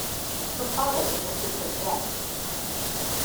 Her father was a frequent guest.